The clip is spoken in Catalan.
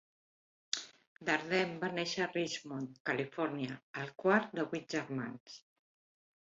Darden va néixer a Richmond, Califòrnia, el quart de vuit germans.